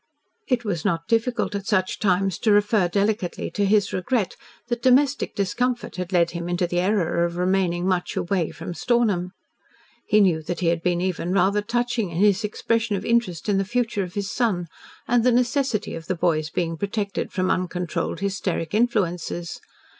It was not difficult, at such times, to refer delicately to his regret that domestic discomfort had led him into the error of remaining much away from Stornham. He knew that he had been even rather touching in his expression of interest in the future of his son, and the necessity of the boy's being protected from uncontrolled hysteric influences.